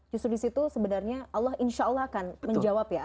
justru disitu sebenarnya allah insya allah akan menjawab ya